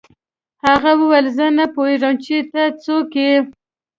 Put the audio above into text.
هغه وویل زه نه پوهېږم چې ته څوک یې